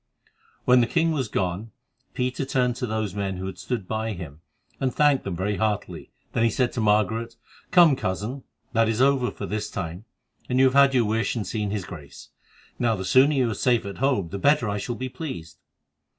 When the king was gone, Peter turned to those men who had stood by him and thanked them very heartily. Then he said to Margaret: "Come, Cousin, that is over for this time, and you have had your wish and seen his Grace. Now, the sooner you are safe at home, the better I shall be pleased."